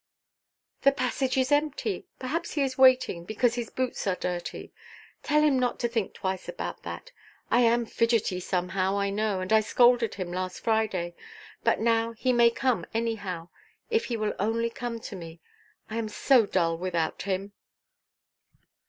"The passage is empty. Perhaps he is waiting, because his boots are dirty. Tell him not to think twice about that. I am fidgety sometimes, I know; and I scolded him last Friday. But now he may come anyhow, if he will only come to me. I am so dull without him."